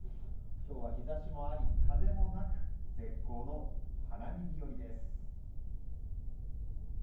今日は日差しもあり、風もなく絶好の花見日和です。